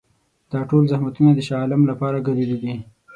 دا ټول زحمتونه د شاه عالم لپاره ګاللي دي.